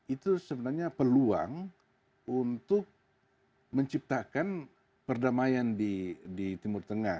itu sebenarnya peluang untuk menciptakan perdamaian di timur tengah